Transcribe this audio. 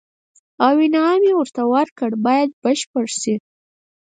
او انعام یې ورته ورکړ باید بشپړ شي.